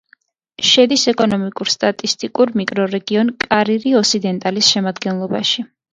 შედის ეკონომიკურ-სტატისტიკურ მიკრორეგიონ კარირი-ოსიდენტალის შემადგენლობაში.